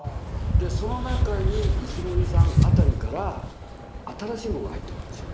でその中に石森さん辺りから新しいものが入ってくるんですよ。